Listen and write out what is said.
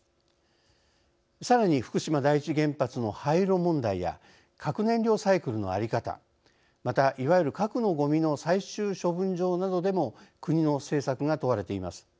さらに福島第一原発の廃炉問題や核燃料サイクルの在り方またいわゆる核のゴミの最終処分場などでも国の政策が問われています。